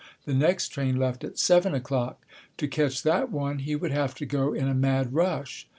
The next train left at seven o'clock. To catch that one, he would have to go in a mad rush.